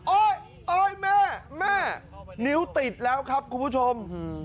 โอ๊ยโอ๊ยแม่แม่นิ้วติดแล้วครับคุณผู้ชม